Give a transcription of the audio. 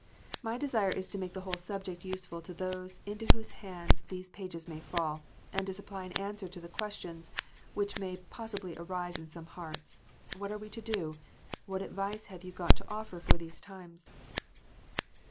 My desire is to make the whole subject useful to those into whose hands these pages may fall, and to supply an answer to the questions which may possibly arise in some hearts, What are we to do 1 What advice have you got to offer for the times